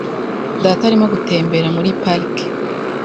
Data arimo gutembera muri parike .